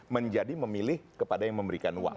menjadi memilih kepada yang memberikan uang